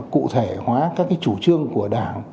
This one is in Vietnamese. cụ thể hóa các chủ trương của đảng